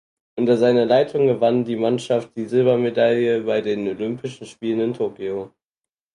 Unter seiner Leitung gewann die Mannschaft die Silbermedaille bei den Olympischen Spielen in Tokio.